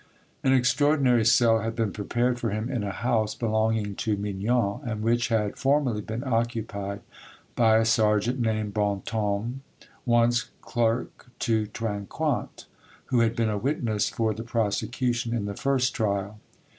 An extraordinary cell had been prepared for him in a house belonging to Mignon, and which had formerly been occupied by a sergeant named Bontems, once clerk to Trinquant, who had been a witness for the prosecution in the first trial.